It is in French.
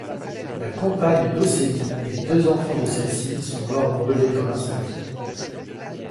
La compagne d’Ossebi et les deux enfants de celles-ci sont morts brûlés dans l'incendie.